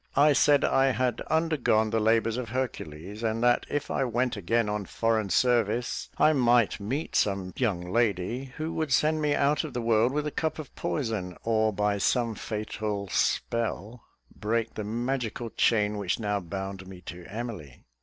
I said I had undergone the labours of Hercules; and that if I went again on foreign service, I might meet with some young lady who would send me out of the world with a cup of poison, or by some fatal spell break the magical chain which now bound me to Emily.